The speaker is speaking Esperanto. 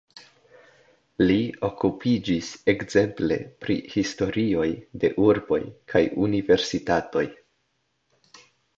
Li okupiĝis ekzemple pri historioj de urboj kaj universitatoj.